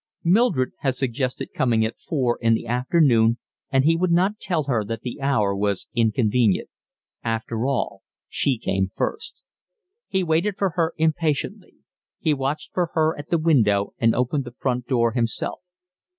Mildred had suggested coming at four in the afternoon, and he would not tell her that the hour was inconvenient. After all she came first. He waited for her impatiently. He watched for her at the window and opened the front door himself.